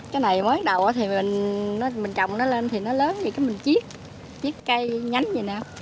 cái này mới đầu thì mình trồng nó lên thì nó lớn rồi mình chiếc chiếc cây nhánh vậy nè